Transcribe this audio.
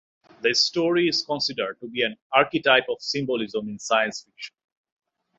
The story is considered to be an archetype of symbolism in science fiction.